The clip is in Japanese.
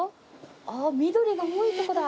あっ緑が多いとこだ。